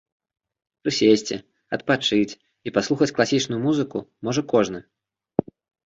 Прысесці, адпачыць і паслухаць класічную музыку можа кожны.